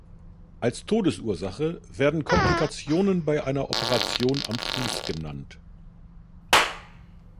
Als Todesursache werden Komplikationen bei einer Operation am Fuß genannt.